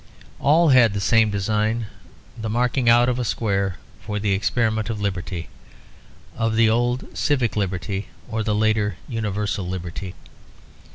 All had the same design, the marking out of a square for the experiment of liberty; of the old civic liberty or the later universal liberty.